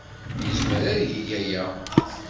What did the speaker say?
Yezmer ad yeg aya.